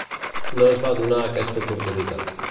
No es va donar aquesta oportunitat.